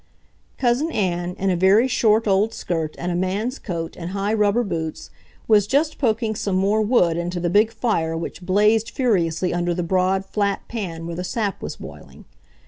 Cousin Ann, in a very short old skirt and a man's coat and high rubber boots, was just poking some more wood into the big fire which blazed furiously under the broad, flat pan where the sap was boiling.